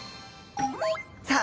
さあ